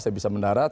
saya bisa mendarat